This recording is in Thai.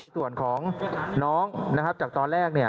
ส่วนของน้องนะครับจากตอนแรกเนี่ย